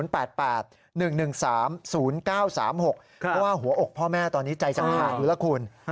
เพราะว่าหัวอกพ่อแม่ตอนนี้ใจจะขาดอยู่แล้วคุณ